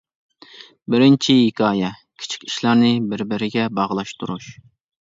بىرىنچى ھېكايە : كىچىك ئىشلارنى بىر-بىرىگە باغلاشتۇرۇش.